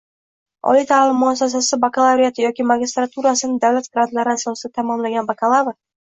Oliy ta’lim muassasasi bakalavriati yoki magistraturasini davlat grantlari asosida tamomlagan bakalavr